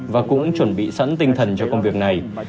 và cũng chuẩn bị sẵn tinh thần cho công việc này